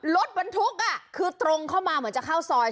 รถบรรทุกคือตรงเข้ามาเหมือนจะเข้าซอย